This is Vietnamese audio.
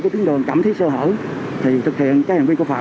khi mà kiểm tra đối tượng khi mà thực hiện đối tượng như vắng